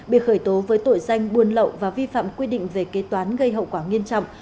bị khởi tố với tội danh buôn lậu và vi phạm quy định về kế toán gây hậu quả nghiêm trọng